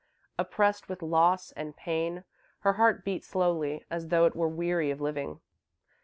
Oppressed with loss and pain, her heart beat slowly, as though it were weary of living.